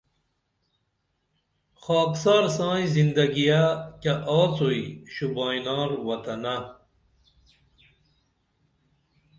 خاکسار سائیں زندگیہ کیہ آڅوئی شوبائینار وطنہ